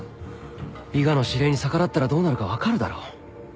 伊賀の指令に逆らったらどうなるか分かるだろ？